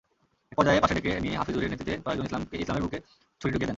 একপর্যায়ে পাশে ডেকে নিয়ে হাফিজুরের নেতৃত্বে কয়েকজন ইসলামের বুকে ছুরি ঢুকিয়ে দেন।